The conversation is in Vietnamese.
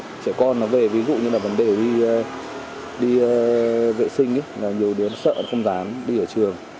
trẻ con nó về ví dụ như là vấn đề đi vệ sinh nhiều đứa nó sợ không dám đi ở trường